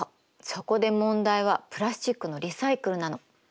そこで問題はプラスチックのリサイクルなの。